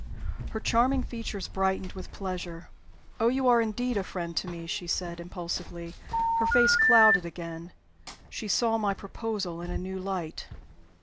Her charming features brightened with pleasure. "Oh, you are indeed a friend to me!" she said, impulsively. Her face clouded again she saw my proposal in a new light.